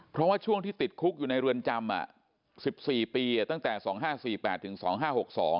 เพราะว่าช่วงที่ติดคุกอยู่ในวันจำอ่ะ๑๔ปีตั้งแต่๒๕๔๘ถึง๒๕๖๒อ่ะ